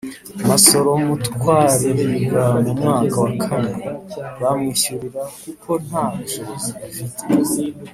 Masoro Matwari yiga mu mwaka wa kane bamwishyurira kuko nta bushobozi afite